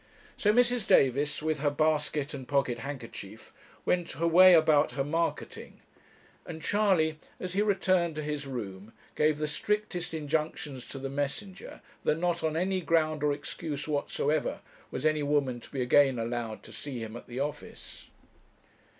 So Mrs. Davis, with her basket and pocket handkerchief, went her way about her marketing, and Charley, as he returned to his room, gave the strictest injunctions to the messenger that not, on any ground or excuse whatever, was any woman to be again allowed to see him at the office.